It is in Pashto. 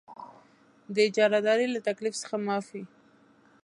د اجاره دارۍ له تکلیف څخه معاف وي.